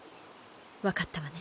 分かったわね？